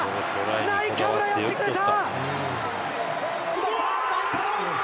ナイカブラ、やってくれた！